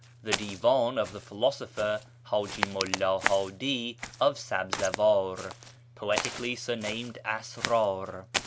The Divdii of the philosopher Htiji Mulla Hddi of Sabzawar, poetically surnamed Asrdr.